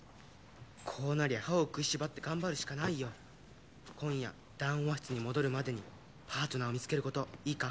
こうなりゃ歯を食いしばって頑張るしかないよ今夜談話室に戻るまでにパートナーを見つけることいいか？